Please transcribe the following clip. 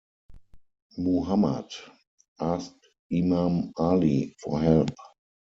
Muhammad asked Imam Ali for help.